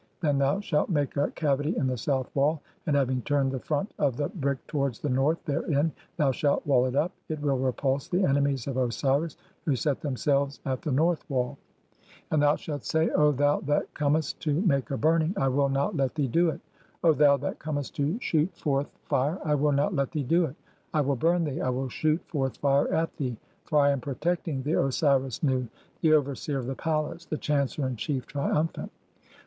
THEN THOU SHALT MAKE A CAVITY IN THE SOUTH WALL, AND HAVING [TURNED] THE FRONT OF THE BRICK TOWARDS THE NORTH [THEREIN], THOU SHALT WALL IT UP. [IT WILL REPULSE THE ENEMIES OF OSIRIS] WHO SET THEMSELVES AT THE (49) NORTH WALL. And thou shalt say :— "O thou that comest to make a burning, "I will not let thee do it ; O thou that comest to shoot forth 15* 228 THE CHAPTERS OF COMING FORTH BY DAY. "[fire], I will not let thee do it. I will burn thee, I will shoot "forth [fire] (50) at thee, for I am protecting the Osiris Nu, "the overseer of the palace, the chancellor in chief, triumphant."